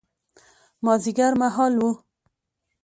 مازیګر مهال و.